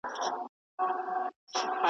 ځان تر ټول جهان لایق ورته ښکاریږي .